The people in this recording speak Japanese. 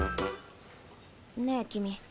ねえ君。